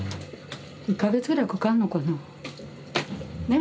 １か月ぐらいかかんのかな。ね？